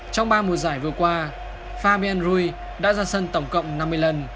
trong ba mùa giải vừa qua fabian rui đã ra sân tổng cộng năm mươi lần